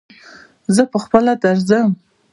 زه پهخپله درځم.